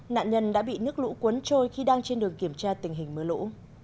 nạn nhân đã bị nước lũ cuốn trôi khi đang trên đường kiểm tra tình hình mưa lũ